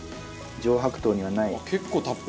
上白糖にはない。